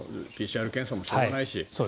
ＰＣＲ検査もしょうがないし。